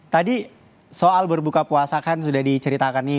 tadi soal berbuka puasa kan sudah diceritakan nih